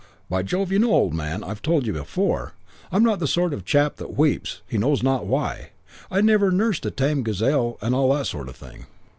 By Jove.... You know, old man, I've told you before, I'm not the sort of chap that weeps, he knows not why; I never nursed a tame gazelle and all that sort of thing.